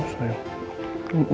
nih beri mata